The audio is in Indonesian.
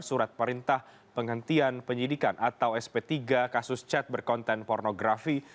surat perintah penghentian penyidikan atau sp tiga kasus chat berkonten pornografi